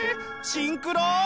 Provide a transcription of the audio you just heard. シンクロ！